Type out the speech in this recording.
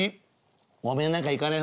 「おめえなんか行かねえ方がいいよ